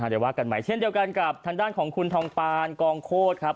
เดี๋ยวว่ากันใหม่เช่นเดียวกันกับทางด้านของคุณทองปานกองโคตรครับ